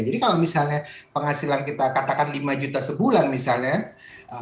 jadi kalau misalnya penghasilan kita katakan lima juta sebulan misalnya